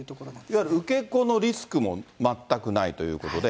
いわゆる受け子のリスクも全くないということで。